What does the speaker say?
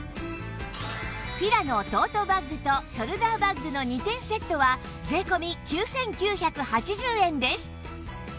ＦＩＲＡＮＯ トートバッグとショルダーバッグの２点セットは税込９９８０円です